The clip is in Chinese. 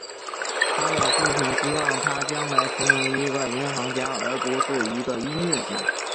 他的父亲希望他将来成为一个银行家而不是一个音乐家。